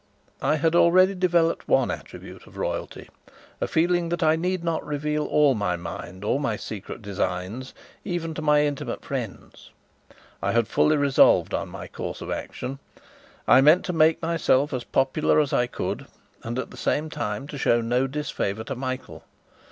I had already developed one attribute of royalty a feeling that I need not reveal all my mind or my secret designs even to my intimate friends. I had fully resolved on my course of action. I meant to make myself as popular as I could, and at the same time to show no disfavour to Michael.